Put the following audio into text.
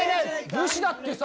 武士だってさ